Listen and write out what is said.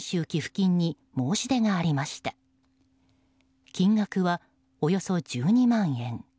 金額はおよそ１２万円。